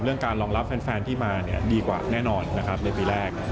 เรื่องการรองรับแฟนที่มาเนี่ยดีกว่าแน่นอนนะครับในปีแรก